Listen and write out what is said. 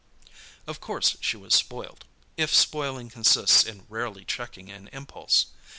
Of course she was spoilt—if spoiling consists in rarely checking an impulse.